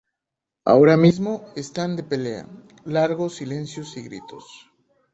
Ahora mismo están de pelea, largos silencios y gritos